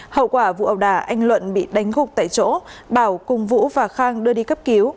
hậu quả vụ ẩu đà anh luận bị đánh gục tại chỗ bảo cùng vũ và khang đưa đi cấp cứu